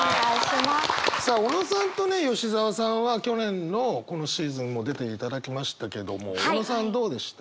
さあ小野さんとね吉澤さんは去年のこのシーズンも出ていただきましたけども小野さんどうでした？